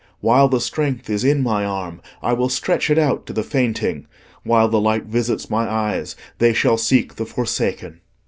While the strength is in my arm I will stretch it out to the fainting; while the light visits my eyes they shall seek the forsaken."